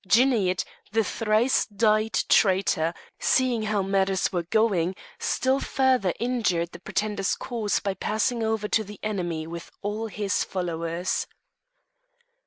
Djouneid, the thrice dyed traitor, seeing how matters were going, still further injured the pretender's cause by passing over to the enemy with all his followers.